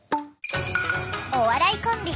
お笑いコンビ